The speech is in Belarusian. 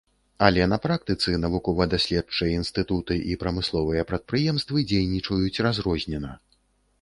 Але на практыцы навукова-даследчыя інстытуты і прамысловыя прадпрыемствы дзейнічаюць разрознена.